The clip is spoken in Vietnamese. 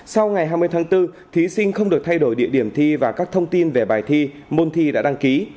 sau ngày hai mươi tháng bốn thí sinh không được thay đổi địa điểm thi và các thông tin về bài thi môn thi đã đăng ký